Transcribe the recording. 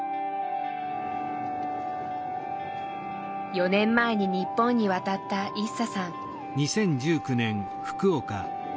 ４年前に日本に渡ったイッサさん。